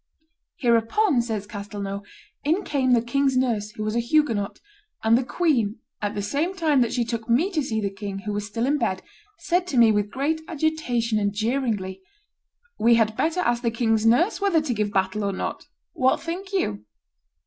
"Hereupon," says Castelnau, "in came the king's nurse, who was a Huguenot, and the queen, at the same time that she took me to see the king, who was still in bed, said to me with great agitation and jeeringly, 'We had better ask the king's nurse whether to give battle or not; what think you?